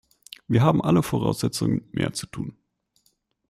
Wir haben alle Voraussetzungen, mehr zu tun!